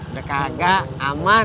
udah kagak aman